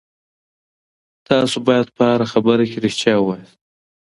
تاسو باید په هره خبره کي ریښتیا ووایاست.